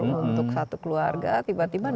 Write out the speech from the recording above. untuk satu keluarga tiba tiba